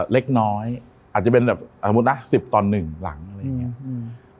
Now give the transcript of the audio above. เล็กน้อยอาจจะเป็นแบบสมมุตินะสิบต่อหนึ่งหลังอะไรอย่างเงี้ยอืม